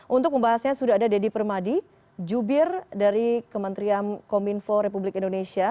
untuk membahasnya sudah ada deddy permadi jubir dari kementerian kominfo republik indonesia